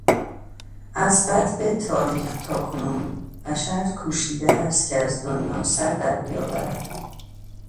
از بدو تاریخ تاکنون بشر کوشیده است که از دنیا سردر بیاورد.